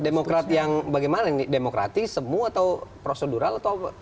demokrat yang bagaimana demokratis semua atau prosedural